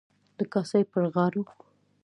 د کاسای پر غاړو.